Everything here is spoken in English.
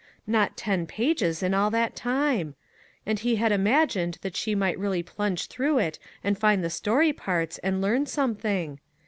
Not ten pages in all that time! And he had imagined that she might really plunge through it and find the story parts, and learn something